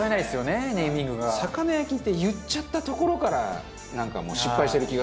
「魚焼き」って言っちゃったところからなんかもう失敗してる気が。